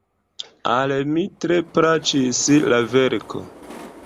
Al mi tre plaĉis la verko.